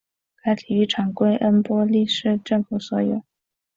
该体育场归恩波利市政府所有。